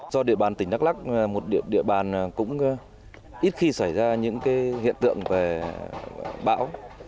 do địa bàn tỉnh đắk lắc một địa bàn cũng ít khi xảy ra những hiện tượng về bão